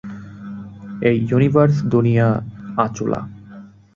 এই ইউনিভার্স দুনিয়ার আচুলা!